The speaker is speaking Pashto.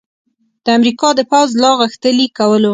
د امریکا د پوځ په لاغښتلي کولو